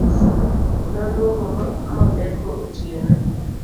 Noduogo modeko otieno